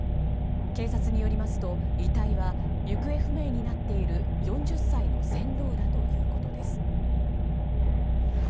警察によりますと遺体は行方不明になっている４０歳の船頭だということです。